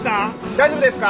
大丈夫ですか？